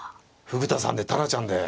フグ田さんでタラちゃんで。